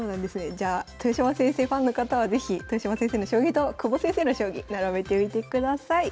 じゃあ豊島先生ファンの方は是非豊島先生の将棋と久保先生の将棋並べてみてください。